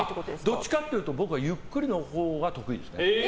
どちらかというと僕はゆっくりのほうが得意です。